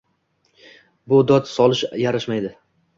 Bu dod solish yarashmaydi